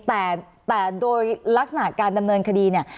แต่แต่โดยลักษณะการดำเนินคดีเนี่ย